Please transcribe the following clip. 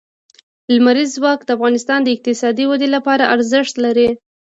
لمریز ځواک د افغانستان د اقتصادي ودې لپاره ارزښت لري.